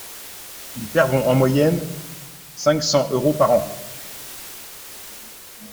Ils perdront en moyenne cinq cents euros par an.